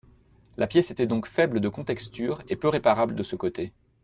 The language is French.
La pièce était donc faible de contexture et peu réparable de ce côté.